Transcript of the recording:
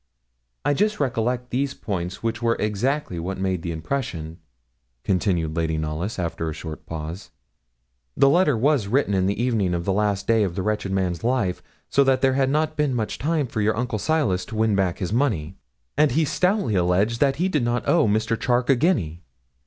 'I just recollect these points which were exactly what made the impression,' continued Lady Knollys, after a short pause; 'the letter was written in the evening of the last day of the wretched man's life, so that there had not been much time for your uncle Silas to win back his money; and he stoutly alleged that he did not owe Mr. Charke a guinea.